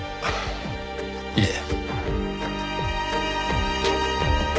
いえ。